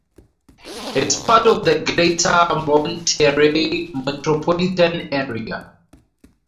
It is part of the Greater Monterrey Metropolitan area.